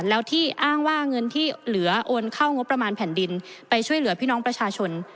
แล้วที่อ้างว่าเงินที่เหลือโอนเข้างบประมาณแผ่นดินไปช่วยเหลือพี่น้องประชาชน